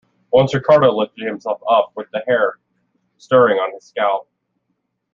Once Ricardo lifted himself up with the hair stirring on his scalp.